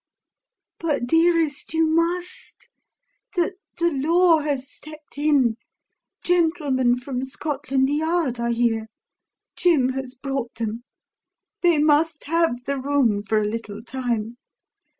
"But, dearest, you must. The the Law has stepped in. Gentlemen from Scotland Yard are here. Jim has brought them. They must have the room for a little time.